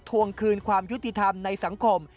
ทวงคืนความยุติธรรมในสังคม